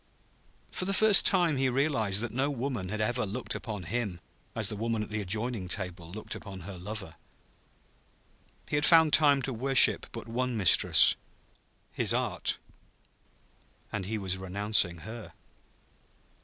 For the first time he realized that no woman had ever looked upon him as the woman at the adjoining table looked upon her lover. He had found time to worship but one mistress his art. And he was renouncing her.